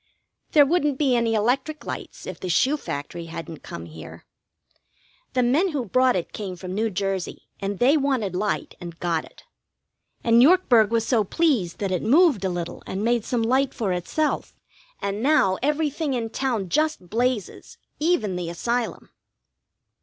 There wouldn't be any electric lights if the shoe factory hadn't come here. The men who brought it came from New Jersey, and they wanted light, and got it. And Yorkburg was so pleased that it moved a little and made some light for itself; and now everything in town just blazes, even the Asylum.